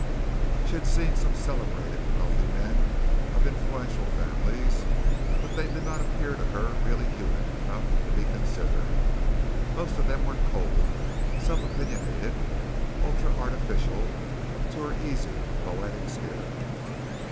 She had seen some celebrated wealthy men of influential families, but they did not appear to her really human enough to be considered. Most of them were cold, self opinionated, ultra artificial to her easy, poetic spirit.